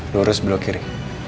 lurus belok kiri